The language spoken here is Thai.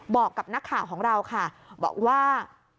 บอกกับนักข่าวของเราค่ะบอกว่า